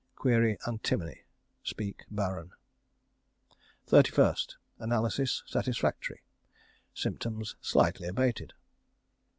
Qy. antimony? Speak, Baron. 31st. Analysis satisfactory. Symptoms slightly abated.